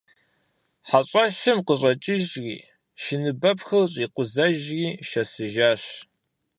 ХьэщӀэщым къыщӀэкӀыжщ, шыныбэпхыр щӀикъузэжри шэсыжащ.